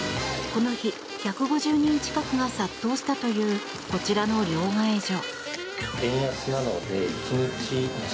この日、１５０人近くが殺到したというこちらの両替所。